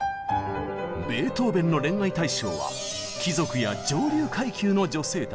ベートーベンの恋愛対象は貴族や上流階級の女性たち。